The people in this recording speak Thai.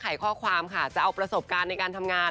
ข้อความค่ะจะเอาประสบการณ์ในการทำงาน